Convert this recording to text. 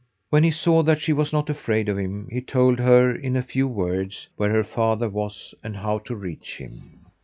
When he saw that she was not afraid of him, he told her in a few words where her father was and how to reach him.